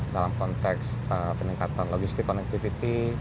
dalam konteks peningkatan logistik connectivity